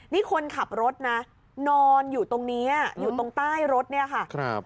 นี่คนขับรถนะนอนอยู่ตรงนี้อยู่ตรงใต้รถเนี่ยค่ะ